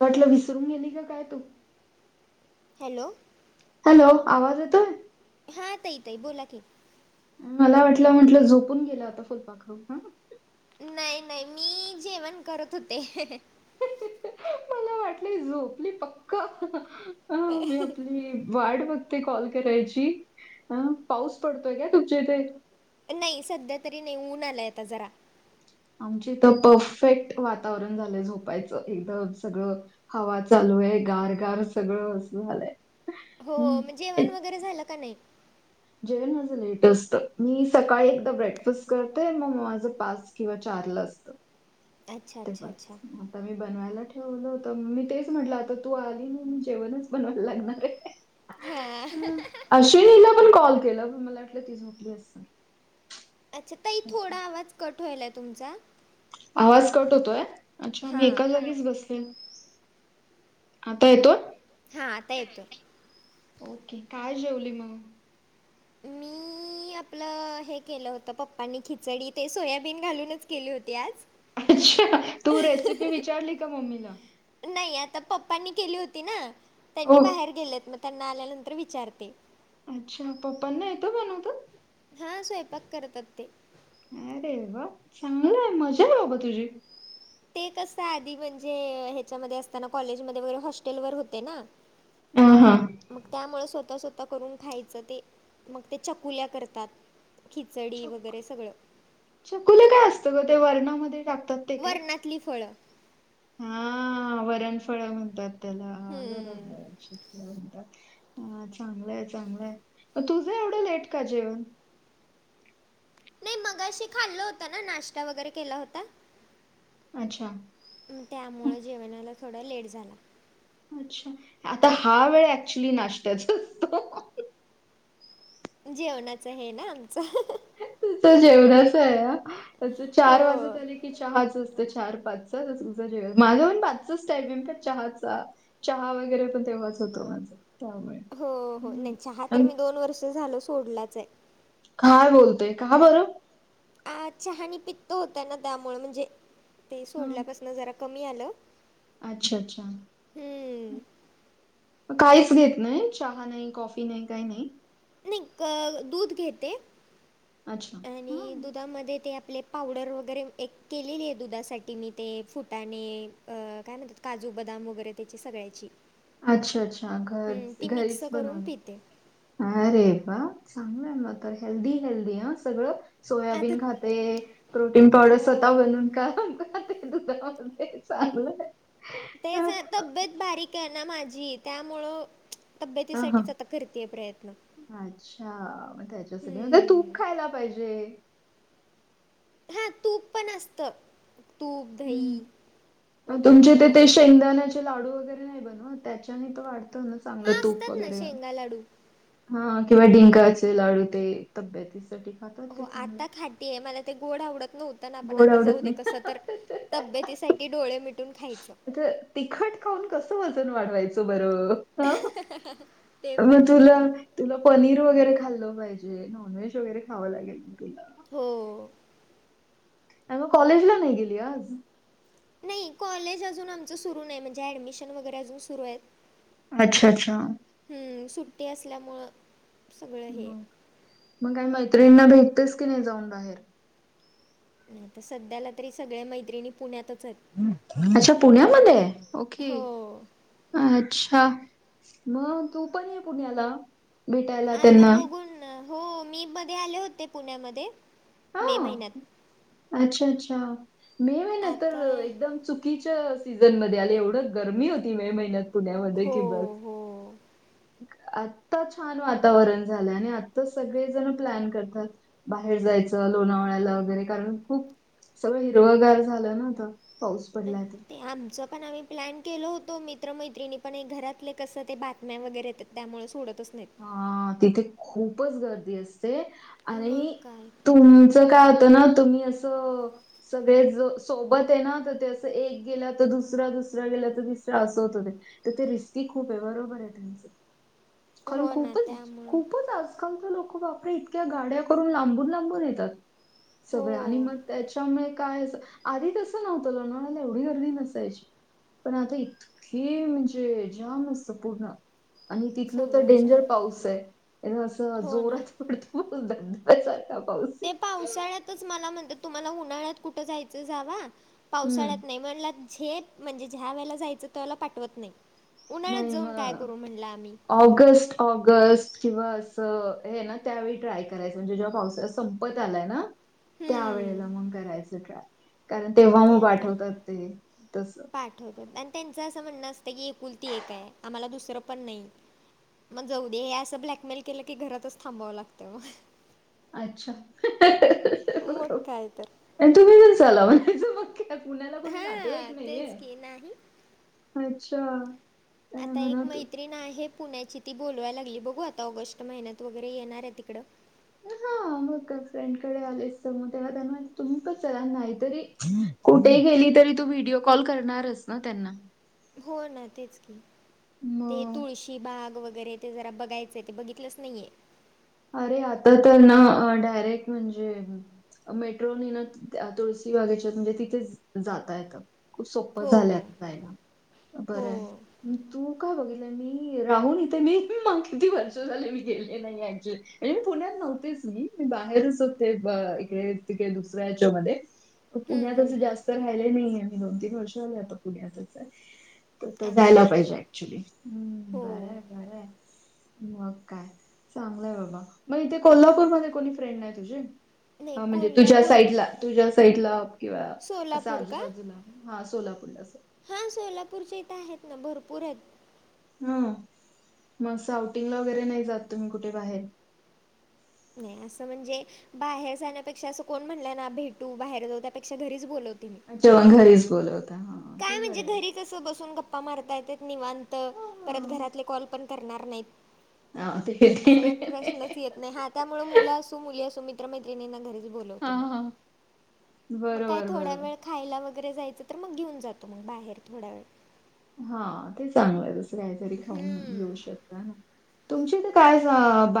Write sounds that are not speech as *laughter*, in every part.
वाटलं विसरून गेली काय तू. हॅलो. हॅलो आवाज येतोय. हा तई तई बोला क. मला वाटलं म्हंटलं झोपून गेलं आता फुलपाखरू हा. नाही नाही मी जेवण करत होते. वाट झोपली पक्का मी आपली वाट बघ- ते कॉल करायची अ पाऊस पडतोय का तुमच्या इथे. नाही सध्या तरी नाही ऊन आलाय आता जरा आमच इथ परफेक्ट वातावरण झालं झोपायचं एकदम सगळं. हवा चालू आहे गार गार सगळं अस झालंय. हो हं. ए, जेवण वगैरे झालं का? नाही जेवण माझं लेट असत मी सकाळी एकदा ब्रेकफस्ट करतेय मग माझं पाच. किंवा चारलं असत अच्छा ते. अच्छा अच्छा आता मी बनवायला ठेवल हो तर मी तेच म्हटलं आता तू आली ना जेवणच बनवायला लागणार आहे. हा. शनीला पण कॉल केलं मला वाटलं ती झोपली अस. अच्छा तई थोडा आवाज कट होईल आहे तुमचा. आवाज कट होतोय अच्छा मी हां एका जागीच बस आता येतो. हां आता येतोय ओके काय? जेवली मग मी आपलं हे केलं होत पप्पांनी खिचडी ते सोयाबीन घालूनच केली होती आज. अच्छा? तू रेसिपी विचारली का? मम्मीला. नाही आता पप्पांनी केली होती ना हो त्यांनी बाहेर गेलेत मग त्यांना आल्यानंतर विचारते अच्छा पप्पांना येतं बनवता? हा स्वयंपाक करतात ते अरे वा चांगलंय मजा आहे बाबा तुझी. ते कस आधी म्हणजे ह्याच्यामध्ये असताना कॉलेजमध्ये वगैरे हॉस्टेल वर होते ना हा हा. मग त्यामुळे स्वतः स्वत त करून खायचं ते मग ते चकुल्या करतात खिचडी वगैरे सगळं चकुलयां काय असत ग ते वर्णामध्ये टाकतात ते काय? वर्णातली फळं हा वरण फळ म्हणतात त्याला हम्म. *unintelligible* हा चांगलंय चांगलंय. तुझं एवढं लेट का जेवण? नाही मगशी खाल्लं होत ना नाश्ता वगैरे केला होता अच्छा. ग त्यामुळं जेवणाला थोडा लेट झाला. अच्छा आता हा वेळ ऍक्च्युली नाश्त्याचा असतो. जेवणाच हे ना आमचं. तुचं जेवणाच आहे चार हो. वाजता आली. की चहाच असतं चार पाचचा उझं जेव माझा पण पाचच टाईम आहेम का चहाचा चहा वगैरे पण तेव्हाच होतो माझं. हो हो नाही चहा तर मी दोन वर्ष झाल सोडलाच आहे. काय बोलतय का बरं आ चहाणी पित्त होत ना त्यामुळे म्हणजे ते सोडल्यापासून जरा कमी आलं अच्छा अच्छा. हं. काहीच घेत नाही चहा नाही कॉफी नाही काही नाही नाही दूध घेते अच्छा आणि हं. दुधामध्ये ते आपले पावडर वगैरे एक केलेली आहे दुधासाठी मी ते फुटाणे काय म्हणतात काजू बदाम वगैरे त्याची सगळ्याची. अच्छा अच्छा हं, घर ती मिक्स घरीच करून बनवे पिते. अरे वा चांगलंय म तर हेल्दी हेल्दी ह सगळं आता सोयाबीन खात ते प्रोटीन पावडर स्वतः हो. बनून का ते ते चांगलंय. तेच तब्येत बारीक आहे ना माझी त्यामुळं तब्येतीसाठीच आता करतेय प्रयत्न अच्छाग त्याच्यासाठी मग तूप हं. खायला पाहिजे हा तूप पण असत तूप हम्म. दही मग वगैरे तुमच्या वगैरे इथे ते असतं शेंगदाण्याचे लाडू वगैरे नाही बन त्याच्याने वाढत ना चांगलं हां, तूप असतात ना वगैरे शेंगा लाडू. हा किंवा डिंका अस लाडू ते तब्यतीस हो आता खाडी आहे मला ते गोड आवडत नव्हत आपण गोड आता जाऊ आवडत दे नाही. कस तर तब्येतीसाठी डोळे मिटून खायचं आता तिखट खाऊन कसं वजन वाढवायचं बरं हा ते मग पण आहे. तुला तुला पनीर वगैरे खाल्ल पाहिजे नॉनव्हेज वगैरे खावं लागेल मी तुला. हो आ म कलेज ला नाही गेली आ आज नाही कॉलेज अजून आमचं सुरू नाही म्हणजे ऍडमिशन वगैरे अजून सुरू आहेत. अच्छा अच्छा. हम्म सुट्टी असल्यामुळं सगळं हे. मग मग काही मैत्रिणीना भेटतेस की नाही जाऊन बाहेर. आता सध्याला तरी सगळे मैत्रिणी पुण्यातच आहेत. अच्छा पुण्यामध्ये ओके. हो. अच्छा मग तू पण ये पुण्याला. भेटायला आता त्यांना. बघून हो मी मध्ये आले होते पुण्यामध्ये मे हां. महिन्यात. अच्छा अच्छा मे म ना तर आता एकदम चु. चुकीच्या सीझनमध्येध्ये आले एवढं गरमी होती मे महिन्यात पुण्यामध्ये हो कि बस. हो. आत्ता छान वातावरण झालं आणि आत्ता सगळेजण प्लॅन करतात. बाहेर जायचं लोणावळ्याला वगैरे कारण खूप. सगं हिरगार झालं ना आता पाऊस. पडलाय तर. ते आमचं पण आम्ही. प्लॅन केल होतो मित्रमैत्रिणी पण एक घरातले कसं ते बातम्या वगैर त्यामुळे सोडतच नाही. अ तिथे खूपच गर्दी असते मग आणि काय तर तुम. अस काय होतं ना तुम्ही असं. सगळे ज सोबत आहे ना तर ते असं एक गेलं तर दुसरा दुसरा गेला तर दिसर असं होत ते. तर ते रिस्की खूप आहे बरोबर आहे त्यांच खण हो ना खूपच त्यामुळं खूपच अस. आजकाल तर लोक वापरे इतक्या गाड्या करून लांबून लांबून येतात हो सगळ्या आणि मग. त्याच्यामुळे काय आधी तसं नव्हतं लणाला एवढी गर्दी नसायची. पण आता इतके म्हणजे जाम मस्त पूर्ण आणि. इथ तर सगळं डेंजर जाम पाऊस आहे असं हो ना जोरात पडतो पाऊस धध्या सारखा पाऊस. आहे. ते पावसाळ्यातच मला म्हणतात तुम्हाला उन्हाळ्यात कुठं जायचं जाव. हम्म. पावसाळ्यात नाही म्हणला झे म्हणजे ज्या वेळेला जायचं त्याला पाठवत नाही. उन्हाळ्यात नाही जाऊन काय मग करू म्हणलं आम्ही ऑगस्ट ऑगस्ट किंवा अस ना. त्यावेळी ट्राय करायच म्हणजे जे्हा पावसा संपत आलाय ना. त्या वेळेला हम्म मग करायचं ट्राय कारण तेव्हा ते मग आता पाठवतात ते तस. पाठवतात आणि त्यांचं असं म्हणणं असतं की एक पुुलती एक आहे आम्हाला दुसरं पण नाही. मग जाऊ दे हे असं ब्लॅकमेल केलं की घरातच थांबावं लागतं मग. अच्छा मग बरो काय तर तुम्ही जर ला म्हणाच. पुण्याला कोणी नातेवाईक हां नाहीये तेच की नाही अच्छा. काय आता एक म्हणत मैत्री. नाही आहे पुण्याची ती बोोलवायला लागली बघू आता ऑगस्ट महिन्यात वगैरे येणार आहे तिकं. हा मग फ्रेंड कडे आलेस तर मग तेव्हा त्यां म्ह तुमप चलाना नाही तरी. कुठे गेली तरी तू व्हिडिओ कॉल करणारस ना त्यांना. हो ना तेच की ते मग तुळशी. की बाग वगैरे ते जरा बघायचंय ते बघितलंच नाहीये. अरे आता तर ना डायरेक्ट म्हणजे. मेट्रो नेण तुळशीी बागेच्या म्हणजे तिथे जाता येतं. खूप सोप हो झाले आता जायला हो बरं आहे. तू काय बघितलंय मी राहून इथे मी मग किती वर्ष झाले मी गेले नाही अ. म्हणजे मी पुण्यात नव्हतेच मी मी बाहेरच होते इकडे तिकडे दुसऱ्याच्यामध्ये. हम्म, पुण्यात हम्म, असं हम्म. जास्त राहिले नाहीये मी दोन तीन वर्ष झाले आता पुण्यातच. तर अच्छा जायला पाहिजे ऍक्च्युली ह हो बर बर. मग काय चांगलंय बाबा मग इथे न- कोल्हापूरमध्ये कोणी फ्रेंड आहे तुझी. नाही म्हणजे तुझ्या कोल्हापूर साईड ला तुझ्या साईड ला किंवा असं सोलापूर आजूबाजूला. हा सोलापूरला. हा सोलापूरच्या इथे आहेत ना भरपूर आहेत. ह म साउटिंगला वगैरे नाही जात तुम्ही कुठे बाहेर. नाही असं म्हणजे. बाहेर जाण्यापेक्षा असं कोण म्हणलंय ना भेटू बाहेर जाऊ त्यापेक्षा घरीच बोलवती मी. जेव्हा घरीच बोलत. काय म्हणजे घरी कस बसून गप्पा मारता येतात निवांत परत हा घरातले कॉल पण. करणार नाही हा, ते अस काय ते- प्रश्नच येत नाही त्यामुळे मुल असो व मुली असो. मित्रमैत्रिणीना घरी हा बोलावते हा. मग काय बरोबर थोड्या बरोबर वे. खायला वगैरे जायचं तर मग घेऊन जातो मग बाहेर थोडा वेळ. हा ते चांगलं आहे तसं काहीतरी खाऊन हम्म घेऊ शकता ना. तुमची इथ काय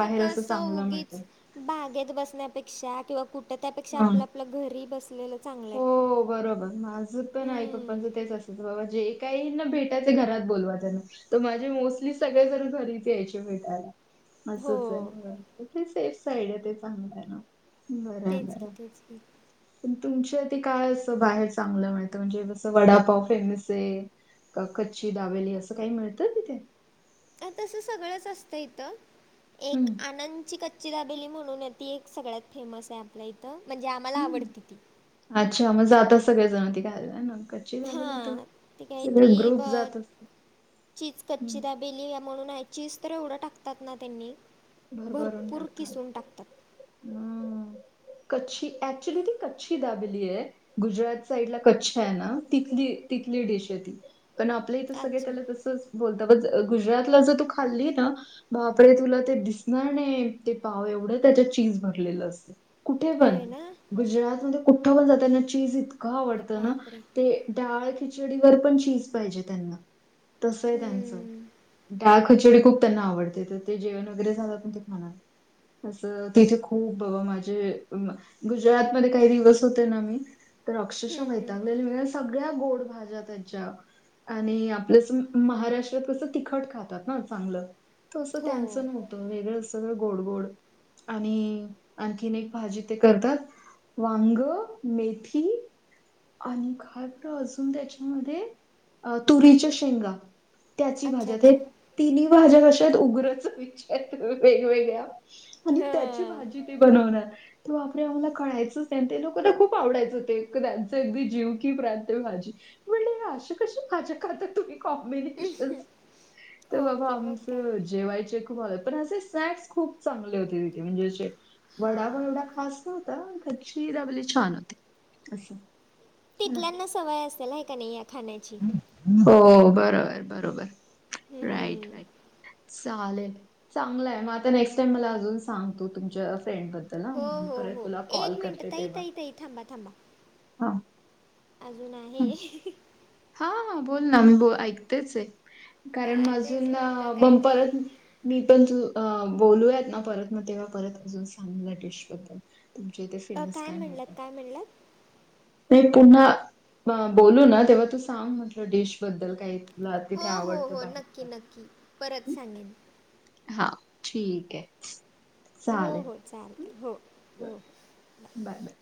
ते असं कसं चांगलं उगीच मिळतं. बागेत बसण्यापेक्षा किंवा कुठं त्यापेक्षा हा. आपलं आपलं घरी बसलेलं. चांगलं आहे. हो बरोबर माझ. पण आहे हम्म पप्पांचं तेच असायचं बाबा जे काही ना भेटायचं घरात बोलवा त्यांना. तर माझे मोस्टली सगळे जण घरीच यायचे भेटायला. अस हो. आहे ते सेफ साईड आहे ते चांगलं आहे ना. बरं आहे तेच बरं कि आहे. तेच की. पण तुमच्या आधी काय असं बाहेर चांगलं मिळतं म्हणजे जसं वडापाव फेमस आहे. कच्ची दाबेली असं काही मिळतं तिथे. आ तस सगळंच असतं इथं एक हम्म. आनंदची कच. कच्ची दाबेली म्हणून आहे ती एक सगळ्यात फेमस आहे आपल्या इथं म्हणजे आम्हाला हम्म. आवडती ती. अच्छा मग जात सगळे जण ते खायला ना. कच्ची हा दाबेली तर ते काहीतरी सगळे ब ग्रुप जात असतात. चीज कच्चीदा. बेली या्या म्हणून आहे चीज तर एवढं टाकतात ना त्यांनी भरभरून भरपूर टाकतात. किसून टाकतात. हम्म कच्छी ऍक्चुली ती कच्छी दाबिली आहे. गुजरात साइडला कच्छ आहे ना तिथली तिथली डिश आहे ती. त्याला अच्छा सगळेजण तसंच बोलतात गुजरातला जर तू खाल्ली ना बापरे तुला ते दिसता. नाय नाय ते पाव एवढं त्याच्यात चीज भरलेलं असत कुठे पण. होय ना गुजरातमध्ये कुठं पण जाताना चीज इतकं आवडतं ना बापरे ते. डाळ खिचडीवर पण चीज पाहिजे त्यांना तसय त्यांच हम्म. डाळ. कचोरी खूप त्यांना आवडते तर ते जेवण वगैरे झालं ना ते खातात. असं तेथे खूप माझे. गुजरातमध्येध्ये काही दिवस होते ना मी तर अक्षशः हम्म, हम्म. वैतागले मी. सगळ्या गोड भाज्या त्यांच्या. आणि आपल्या महाराष्ट्रात कसं तिखट खातात ना चांगलं. तसं हो त्यांचं नव्हतं वेगळं सगळं गोड गोड. आणि आणखीन एक भाजी ते करतात. वांग मेथी. आणि काय बर अजून त्याच्यामध्ये तुरीच्या शेंगा.. त्याची अच्छा भाज्या अच्छा तिन्ही भाज्या कश्या आहेत उग्र वि वेगवेगळ्या. आणि त्याची हां भाजी तेी बनवणार. तो आपडे आम्हाला कळायचंच नाही ते लोक खूप आवडायच होते त्यांचं अगदी जीव की प्रांत भाजी म्हणज असे कसे भाजा खाता तुम्ही? कॉम्बिशन तर हो बा की मग आमच काय जेवाय. पण असे सॅक्स खूप चांगले होते तिथे म्हणजेे वडा वण हां एवढा खास न्ह घची दबली छान होते असं है ना तिकलांना सवय असेल आहे का नाही या खाण्याची. हो बरोबर बरोबर राईट हम्म. राईट. चालेल चांगलंय मग आता नेक्स्ट टाइम मला अजून सांगतो तुमच्या फ्रेंड बद्दल हा हो मी हो परत हो तुला कॉल एक मिनट करते ताई तेव्हा ताई ताई थांबा. हा. अजूनून हा आहे. हा बोल ना मी ब ऐकतेच आहे कारण हा तेच म्हटलं काही नाही बंपरच आहे. मी पण तू बोलूयात ना परत ना तेव्हा परत अजून सांगल्या डिश बद्दल. इथे फेमस काय म्हणलात मिळतं काय म्हणलंत. नाही पुन्हा बोलू ना तेव्हा तू सांग म्हटलं डिश बद्दल काय हो हो हो नक्की नक्की परत हं? सांगेन. हा ठीक आहे. हो हो चालेल हो हो. Bye bye.